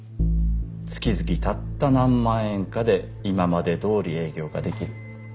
月々たった何万円かで今までどおり営業ができる。